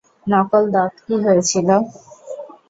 নকল দাঁত - কি হয়েছিল?